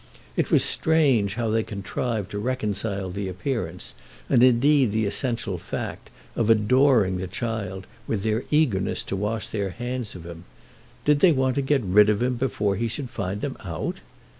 It was strange how they contrived to reconcile the appearance, and indeed the essential fact, of adoring the child with their eagerness to wash their hands of him. Did they want to get rid of him before he should find them out?